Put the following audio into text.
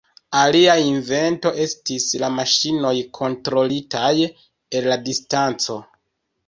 Alia invento estis la maŝinoj kontrolitaj el la distanco.